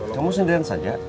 kamu sendirian saja